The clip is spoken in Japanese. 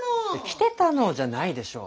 「来てたの」じゃないでしょ！